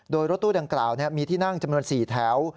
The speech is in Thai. โดยรถตู้ดังกล่าวมีที่นั่งจำนวน๔แถว